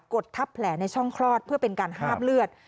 ดทับแผลในช่องคลอดเพื่อเป็นการห้ามเลือด